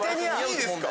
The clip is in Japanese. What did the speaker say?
いいですか？